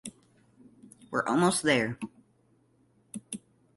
We're almost there.